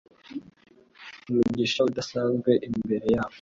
umugisha udasanzwe imbere yabo,